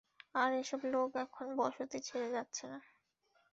আর এসব লোক এখন বসতি ছেড়ে যাচ্ছে না।